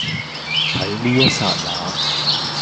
喺呢一剎那